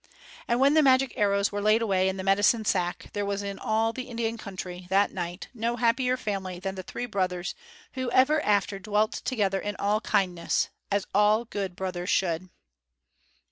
And when the magic arrows were laid away in the medicine sack, there was in all the Indian country that night no happier family than the three brothers, who ever after dwelt together in all kindness, as all good brothers should.